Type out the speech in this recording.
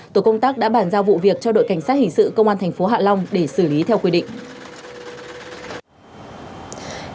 tổ công tác đã bàn giao vụ việc cho đội cảnh sát hình sự công an thành phố hạ long để xử lý theo quy định